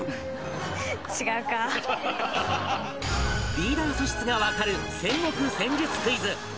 リーダー素質がわかる戦国戦術クイズ